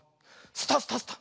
スタスタスタ。